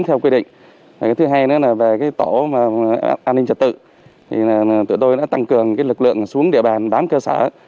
tụi tôi đã tăng cường lực lượng xuống địa bàn bám cơ sở